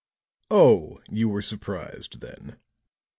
"Oh! You were surprised, then?"